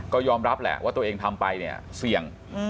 ก็ยอมรับแหละว่าตัวเองทำไปเนี่ยเสี่ยง